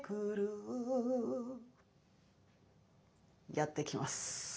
やってきます。